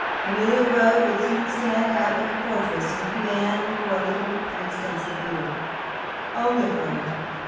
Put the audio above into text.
Camelia Road would soon stand out like a fortress, and command, for a little, an extensive view. Only for a little.